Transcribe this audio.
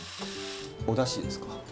お出汁ですか？